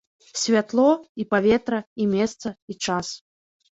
Святло, і паветра, і месца, і час.